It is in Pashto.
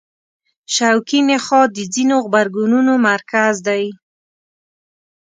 شوکي نخاع د ځینو غبرګونونو مرکز دی.